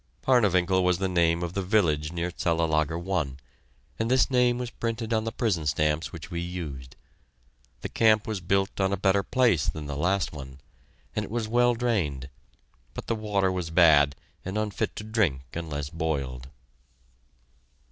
Parnewinkel was the name of the village near Cellelager I, and this name was printed on the prison stamps which we used. The camp was built on a better place than the last one, and it was well drained, but the water was bad and unfit to drink unless boiled.